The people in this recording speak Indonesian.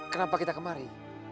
kenapa kita kemari